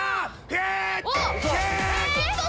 ヒット！